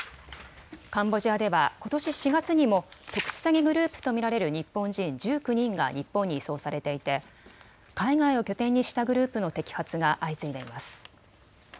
カンボジアではことし４月にも特殊詐欺グループと見られる日本人１９人が日本に移送されていて海外を拠点にしたグループの摘発が相次いでいます。